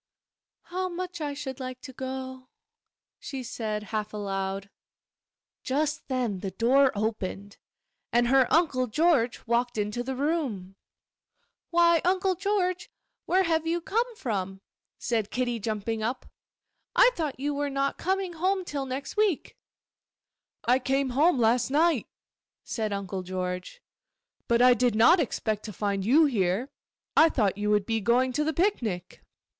'How much I should like to go!' she said, half aloud. Just then the door opened, and her Uncle George walked into the room. 'Why, Uncle George, where have you come from?' said Kitty, jumping up. 'I thought you were not coming home till next week.' 'I came home last night,' said Uncle George, 'but I did not expect to find you here. I thought you would be going to the picnic.